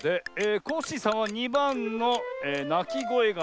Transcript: コッシーさんは２ばんの「なきごえがない」。